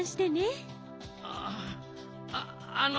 あああの。